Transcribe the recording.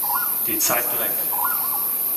Die Zeit drängt!